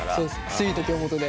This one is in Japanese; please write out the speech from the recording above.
スイート京本で。